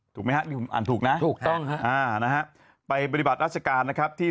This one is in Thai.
ถูกมั้ยอ่านถูกนะถูกต้องนะฮะไปบริบัติราชการนะครับที่